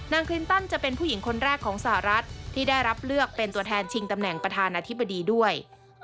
คลินตันจะเป็นผู้หญิงคนแรกของสหรัฐที่ได้รับเลือกเป็นตัวแทนชิงตำแหน่งประธานาธิบดีด้วย